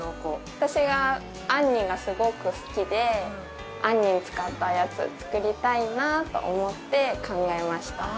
私が杏仁がすごく好きで杏仁使ったやつ作りたいなと思って考えました。